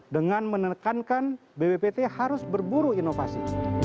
dengan menekankan bppt harus berburu inovasi